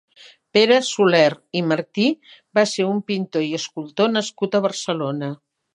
Pere Soulere i Martí va ser un pintor i escultor nascut a Barcelona.